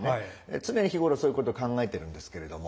常日頃そういうことを考えているんですけれども。